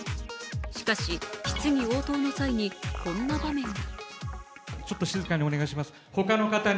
しかし質疑応答の際にこんな場面が。